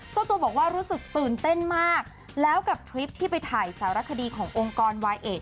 เจ้าตัวบอกว่ารู้สึกตื่นเต้นมากแล้วกับทริปที่ไปถ่ายสารคดีขององค์กรวายเอก